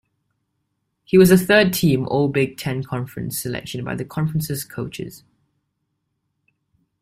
He was a third-team All-Big Ten Conference selection by the conference's coaches.